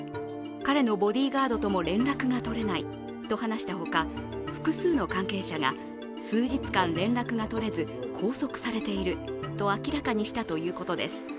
彼のボディーガードとも連絡が取れないと話したほか、複数の関係者が数日間連絡が取れず、拘束されていると明らかにしたということです。